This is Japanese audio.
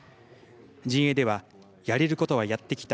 陣営ではやれることはやってきた。